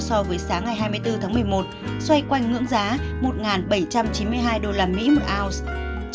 so với sáng ngày hai mươi bốn tháng một mươi một xoay quanh ngưỡng giá một bảy trăm chín mươi hai usd một ounce